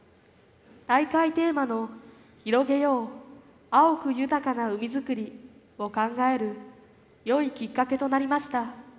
大会テーマの「広げよう碧く豊かな海づくり」を考えるよいきっかけとなりました。